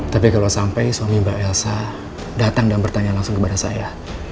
tapi kalau sampai suami mbak elsa datang dan bertanya langsung kepada saya